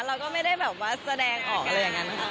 เราก็ไม่ได้แบบว่าแสดงออกอะไรอย่างนั้นค่ะ